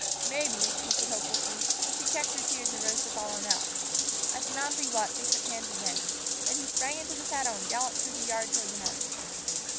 "Maybe," she said hopelessly. But she checked her tears and rose to follow him out. At the mounting block they shook hands again. Then he sprang into the saddle and galloped through the yard toward the north.